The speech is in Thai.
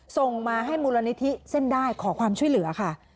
ส่งมาให้มูลนิธิเส้นได้ขอความช่วยเหลือค่ะ